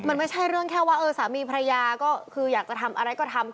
มันไม่ใช่เรื่องแค่ว่าสามีภรรยาก็คืออยากจะทำอะไรก็ทำ